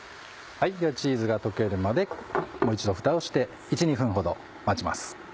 ではチーズが溶けるまでもう一度フタをして１２分ほど待ちます。